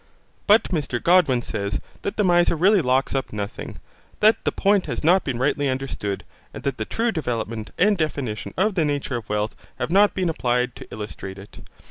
But Mr Godwin says that the miser really locks up nothing, that the point has not been rightly understood, and that the true development and definition of the nature of wealth have not been applied to illustrate it.